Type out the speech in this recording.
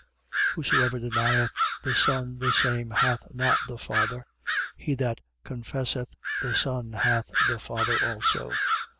2:23. Whosoever denieth the Son, the same hath not the Father. He that confesseth the Son hath the Father also.